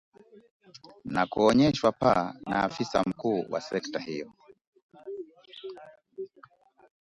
na kuonyeshwa paa na afisa mkuu wa sekta hiyo